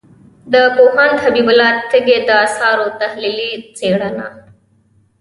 د پوهاند حبیب الله تږي د آثارو تحلیلي څېړنه